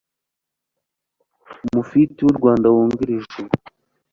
Mufti w u Rwanda wungirije